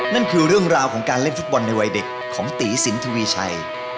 นั่นคือเรื่องราวของการเล่นฟุตบอลในวัยเด็กของตีสินทวีชัย